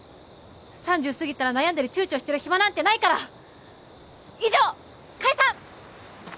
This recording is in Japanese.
３０過ぎたら悩んだり躊躇してる暇なんてないから以上解散！